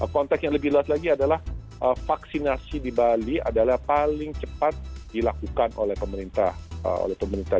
konteks yang lebih luas lagi adalah vaksinasi di bali adalah paling cepat dilakukan oleh pemerintah